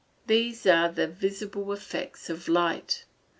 These are the visible effects of light.